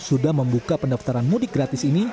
sudah membuka pendaftaran mudik gratis ini